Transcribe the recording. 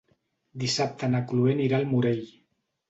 Dissabte na Chloé anirà al Morell.